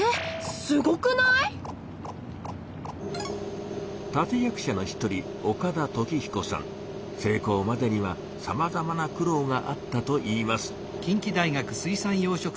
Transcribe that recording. すごくない⁉立て役者の一人成功までにはさまざまな苦労があったといいます。